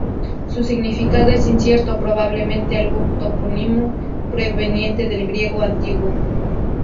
Su significado es incierto, probablemente algún topónimo proveniente del griego antiguo.